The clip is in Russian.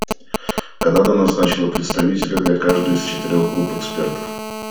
Канада назначила представителя для каждой из четырех групп экспертов.